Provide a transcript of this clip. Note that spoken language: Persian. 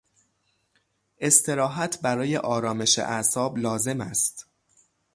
استراحت برای آرامش اعصاب لازم است.